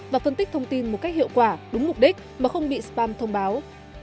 và phân tích thông tin một cách hiệu quả đúng mục đích mà không bị spam thông báo